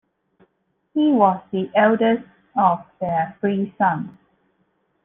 He was the eldest of their three sons.